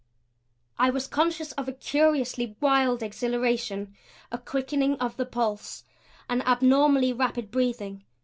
I was conscious of a curiously wild exhilaration; a quickening of the pulse; an abnormally rapid breathing.